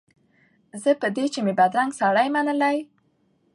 زه په دې چي مي بدرنګ سړی منلی